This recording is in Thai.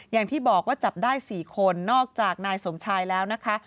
อย่างที่บอกว่าจับได้๔คนนอกจากนายสมชายแล้วนะคะ